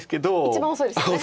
一番遅いですよね。